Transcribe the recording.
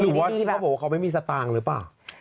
หรือว่าที่เขาบอกว่าเขาไม่มีสตางค์หรือเปล่า